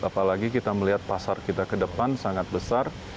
apalagi kita melihat pasar kita ke depan sangat besar